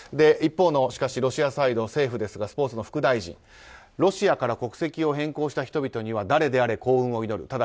一方のロシア政府のスポーツの副大臣、ロシアから国籍を変更した人々には誰であれ幸運を祈る。